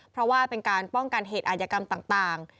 เพราะว่าเป็นการป้องกันเหตุอาจยกรรมต่าง